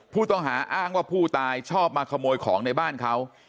ผู้ต้องหาอ้างว่าผู้ตายชอบมาขโมยของในบ้านเขา